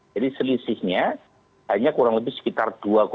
jadi selisihnya hanya kurang lebih sekitar dua sekian persen